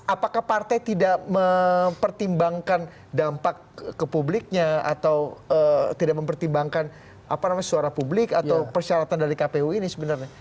apakah partai tidak mempertimbangkan dampak ke publiknya atau tidak mempertimbangkan suara publik atau persyaratan dari kpu ini sebenarnya